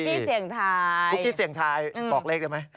กี้เสี่ยงทายปุ๊กกี้เสี่ยงทายบอกเลขได้ไหม